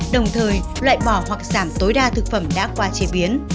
đồng thời loại bỏ hoặc giảm tối đa thực phẩm đã qua chế biến